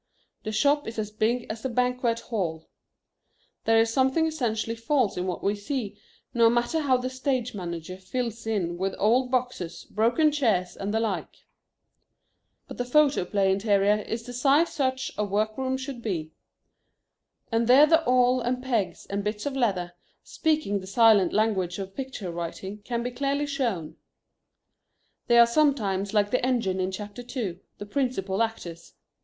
The shop is as big as a banquet hall. There is something essentially false in what we see, no matter how the stage manager fills in with old boxes, broken chairs, and the like. But the photoplay interior is the size such a work room should be. And there the awl and pegs and bits of leather, speaking the silent language of picture writing, can be clearly shown. They are sometimes like the engine in chapter two, the principal actors.